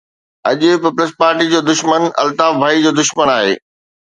اڄ پيپلز پارٽي جو دشمن الطاف ڀائي جو دشمن آهي